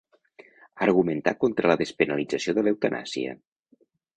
Argumentar contra la despenalització de l'eutanàsia.